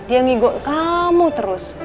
dia ngigo kamu terus